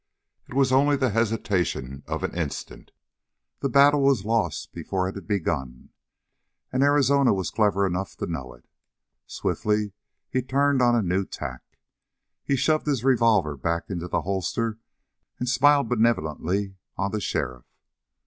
It was only the hesitation of an instant. The battle was lost before it had begun, and Arizona was clever enough to know it. Swiftly he turned on a new tack. He shoved his revolver back into the holster and smiled benevolently on the sheriff.